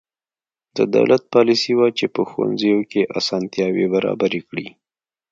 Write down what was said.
د دولت پالیسي وه چې په ښوونځیو کې اسانتیاوې برابرې کړې.